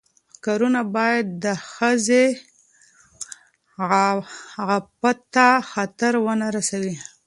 کارونه باید د ښځې عفت ته خطر ونه رسوي.